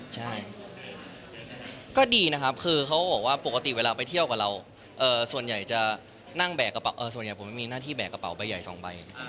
ใช่ก็ดีนะครับคือเขาบอกว่าปกติเวลาไปเที่ยวกับเราส่วนใหญ่จะนั่งแบกส่วนใหญ่ผมไม่มีหน้าที่แบกกระเป๋าใบใหญ่๒ใบ